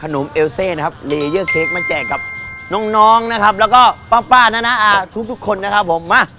อ่าเนื้อคำโตนะครับคุณผู้ชม